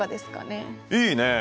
いいねえ。